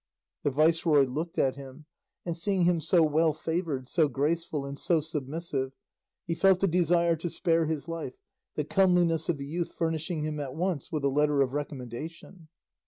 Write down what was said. The viceroy looked at him, and seeing him so well favoured, so graceful, and so submissive, he felt a desire to spare his life, the comeliness of the youth furnishing him at once with a letter of recommendation.